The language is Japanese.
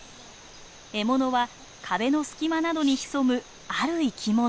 獲物は壁の隙間などに潜むある生き物。